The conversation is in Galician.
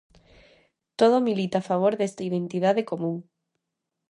Todo milita a favor desta identidade común.